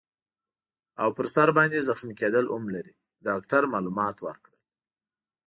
او پر سر باندي زخمي کیدل هم لري. ډاکټر معلومات ورکړل.